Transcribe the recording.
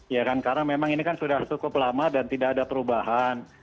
ya kan karena memang ini kan sudah cukup lama dan tidak ada perubahan